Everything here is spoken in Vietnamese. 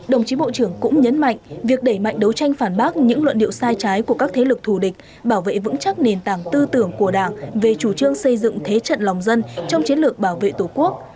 đồng chí bộ trưởng cũng nhấn mạnh việc đẩy mạnh đấu tranh phản bác những luận điệu sai trái của các thế lực thù địch bảo vệ vững chắc nền tảng tư tưởng của đảng về chủ trương xây dựng thế trận lòng dân trong chiến lược bảo vệ tổ quốc